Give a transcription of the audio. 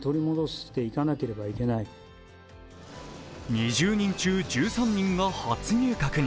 ２０人中１３人が初入閣。